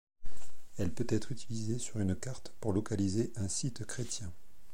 Elle peut être utilisée sur une carte pour localiser un site chrétien.